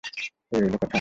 এই রইল কথা?